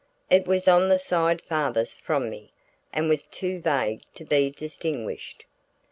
It was on the side farthest from me, and was too vague to be distinguished.